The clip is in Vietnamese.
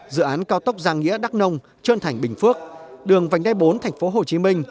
dự án cao tốc giang nghĩa đắc nông trơn thành bình phước đường vành đe bốn tp hcm